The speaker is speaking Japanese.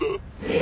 え！